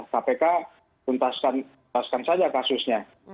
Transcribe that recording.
tapi kalau di pondok rangon kalau di kpk kutaskan saja kasusnya